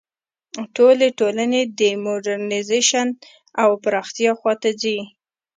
ټولې ټولنې د موډرنیزېشن او پراختیا خوا ته ځي.